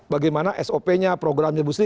bagaimana sop nya programnya busri